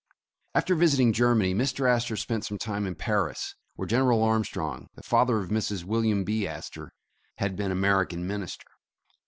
After visiting Germany, Mr. Astor spent some time in Paris, where General Armstrong, the father of Mrs William B. Astor, had been American minister.